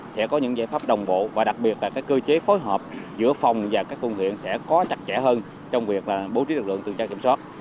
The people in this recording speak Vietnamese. sẽ có những giải pháp đồng bộ và đặc biệt là các cơ chế phối hợp giữa phòng và các phương huyện sẽ có chặt chẽ hơn trong việc bố trí lực lượng tự trang kiểm soát